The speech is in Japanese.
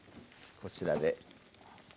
こちらで。